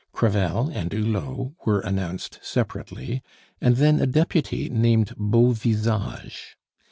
Crevel and Hulot were announced separately, and then a deputy named Beauvisage.